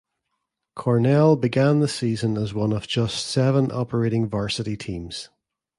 Cornell began the season as one of just seven operating varsity teams.